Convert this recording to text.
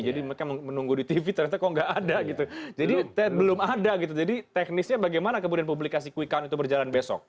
jadi mereka menunggu di tv ternyata kok nggak ada gitu jadi belum ada gitu jadi teknisnya bagaimana kemudian publikasi quick count itu berjalan besok